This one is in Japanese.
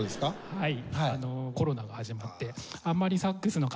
はい。